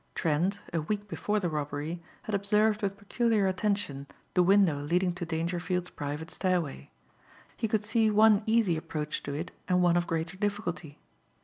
Trent, a week before the robbery, had observed with peculiar attention the window leading to Dangerfield's private stairway. He could see one easy approach to it and one of greater difficulty.